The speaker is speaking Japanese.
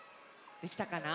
できたかな？